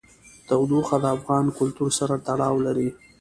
تودوخه د افغان کلتور سره تړاو لري.